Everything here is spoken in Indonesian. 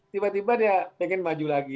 tiba tiba dia pengen maju lagi